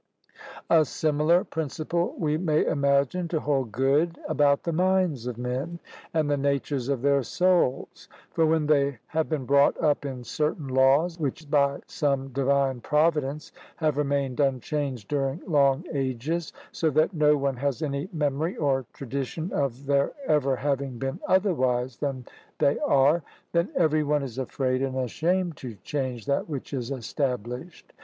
A similar principle we may imagine to hold good about the minds of men and the natures of their souls. For when they have been brought up in certain laws, which by some Divine Providence have remained unchanged during long ages, so that no one has any memory or tradition of their ever having been otherwise than they are, then every one is afraid and ashamed to change that which is established.